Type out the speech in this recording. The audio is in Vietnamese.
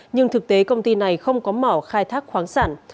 nhưng thực tế công ty này không có mỏ khai thác khoáng sản